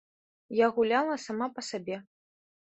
Я гуляла сама па сабе.